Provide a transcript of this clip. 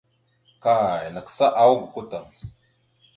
Kay nagsáawak gokwa tam.